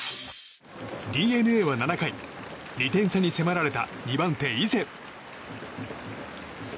ＤｅＮＡは７回２点差に迫られた２番手、伊勢。